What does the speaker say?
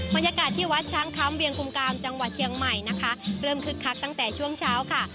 บรรยากาศที่วัดช้างคำเวียงกุมกามจังหวัดเชียงใหม่นะคะเริ่มคึกคักตั้งแต่ช่วงเช้าค่ะ